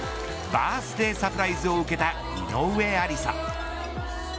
バースデーサプライズを受けた井上愛里沙。